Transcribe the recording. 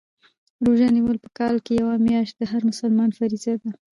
روژه نیول په کال کي یوه میاشت د هر مسلمان فریضه ده